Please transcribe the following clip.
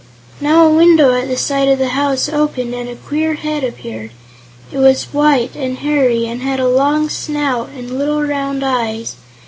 Now a window at the side of the house opened and a queer head appeared. It was white and hairy and had a long snout and little round eyes.